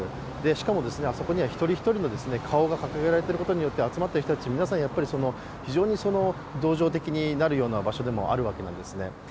しかもあそこには一人一人の顔が掲げられていることによって集まっている人たち、皆さん非常に同情的になるような場所でもあるわけですね。